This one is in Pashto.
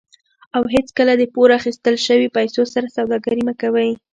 او هیڅکله د پور اخیستل شوي پیسو سره سوداګري مه کوئ.